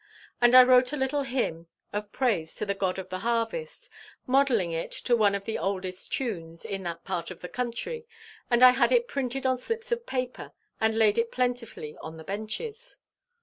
And I wrote a little hymn of praise to the God of the harvest, modelling it to one of the oldest tunes in that part of the country, and I had it printed on slips of paper and laid plentifully on the benches.